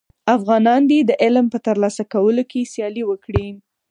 افغانان دي د علم په تر لاسه کولو کي سیالي وکړي.